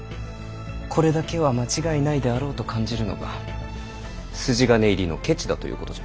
コレだけは間違いないであろうと感じるのは筋金入りの「ケチ」だということじゃ。